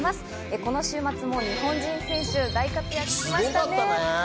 この週末も日本人選手が大活躍しました。